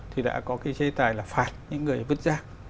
thì đã có cái chế tài là phạt những người vứt rác